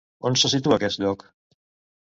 On se situa aquest lloc?